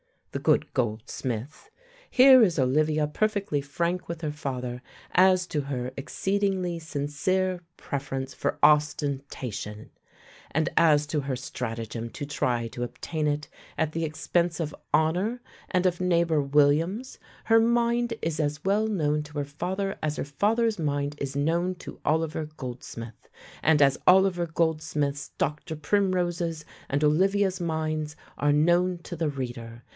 The good Goldsmith! Here is Olivia perfectly frank with her father as to her exceedingly sincere preference for ostentation, and as to her stratagem to try to obtain it at the expense of honour and of neighbour Williams; her mind is as well known to her father as her father's mind is known to Oliver Goldsmith, and as Oliver Goldsmith's, Dr. Primrose's, and Olivia's minds are known to the reader.